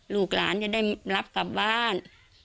ลูกหลานจะได้รับกลับบ้าน